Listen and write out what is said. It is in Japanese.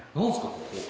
ここ。